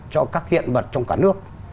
cho các hiện vật trong cả nước